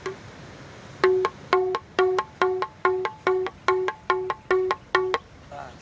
kalau kita dengan setik